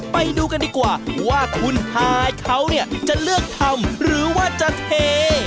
ไปดูกันดีกว่าว่าคุณฮายเขาเนี่ยจะเลือกทำหรือว่าจะเท